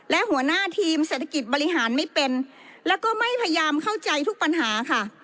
และหัวหน้าทีมเศรษฐกิจบริหารไม่เป็นแล้วก็ไม่พยายามเข้าใจทุกปัญหาค่ะ